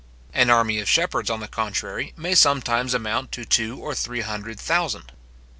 An army of shepherds, on the contrary, may sometimes amount to two or three hundred thousand.